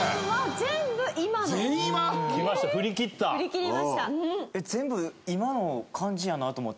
全部今の感じやなと思って。